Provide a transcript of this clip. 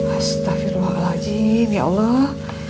astagfirullahaladzim ya allah